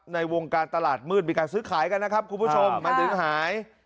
ในวงการตลาดมืดมีการซื้อขายกันนะครับคุณผู้ชมมันถึงหาย